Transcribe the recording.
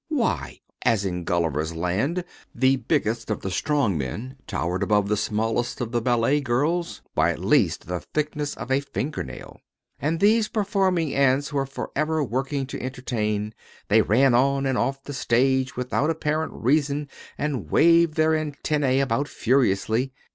Why, as in Gulliver's land, the biggest of the strong men towered above the smallest of the ballet girls by at least the thickness of a fingernail. And these performing ants were forever working to entertain. They ran on and off the stage without apparent reason and waved their antennæ about furiously.